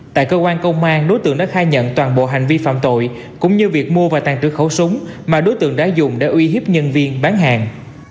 tại cơ quan công an đối tượng đã khai nhận toàn bộ hành vi phạm tội cũng như việc mua và tàn trữ khẩu súng mà đối tượng đã dùng để uy hiếp nhân viên bán hàng